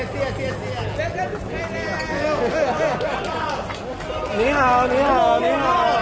สวัสดีครับ